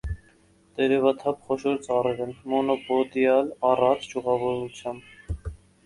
Տերևաթափ խոշոր ծառեր են, մոնոպոդիալ, առատ ճյուղավորությամբ։